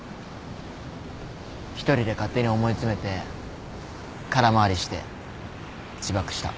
１人で勝手に思い詰めて空回りして自爆した。